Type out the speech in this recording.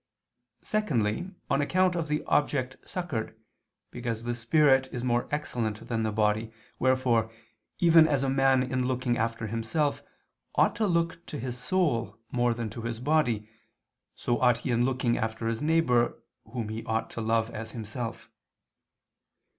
Secondly, on account of the object succored, because the spirit is more excellent than the body, wherefore, even as a man in looking after himself, ought to look to his soul more than to his body, so ought he in looking after his neighbor, whom he ought to love as himself.